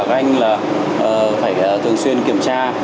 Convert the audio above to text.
các anh là phải thường xuyên kiểm tra